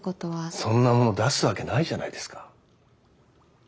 そんなもの出すわけないじゃないですか。